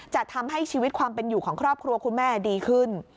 จะทำให้ชีวิตความเป็นอยู่ของครอบครัวคุณแม่ดีขึ้น